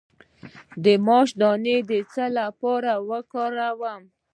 د ماش دانه د څه لپاره وکاروم؟